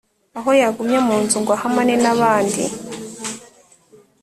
aho yagumye mu nzu ngo ahamane n'abandi